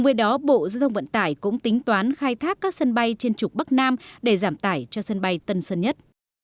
với đó bộ giao thông vận tải cũng tính toán khai thác các sân bay trên trục bắc nam để giảm tải cho sân bay tân sơn nhất